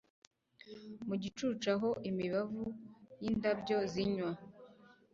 Mu gicucu aho imibavu yindabyo zinywa